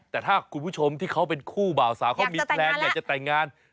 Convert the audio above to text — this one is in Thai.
แต่ถ้าคุณผู้ชมที่เขาเป็นคู่บ่าวสาวเขามีแพลนอยากจะแต่งงาน